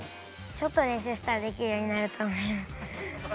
ちょっと練習したらできるようになると思います。